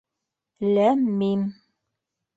Ләм-мим...